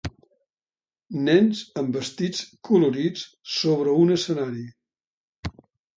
nens amb vestits colorits sobre un escenari